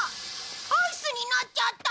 アイスになっちゃった！